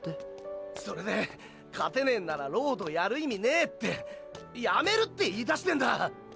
それで勝てねェんならロードやる意味ねぇってやめるって言いだしてんだ！！